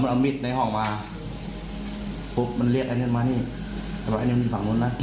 เพราะว่าตัวของญาติคนเจ็บนี้เล่าให้ฟังบอกว่า